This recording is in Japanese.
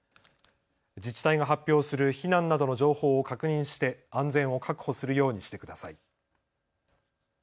自治体が発表する避難などの情報を確認して安全を確保するようにしてください。